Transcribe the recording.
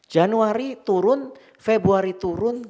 januari turun februari turun